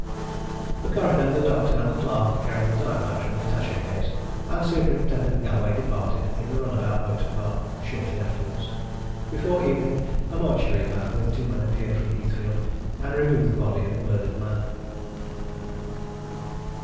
The coroner, the doctor, the clerk carrying the typewriter and the attaché case, and Superintendent Galloway departed in the runabout motor car shortly afterwards. Before evening a mortuary van, with two men, appeared from Heathfield and removed the body of the murdered man.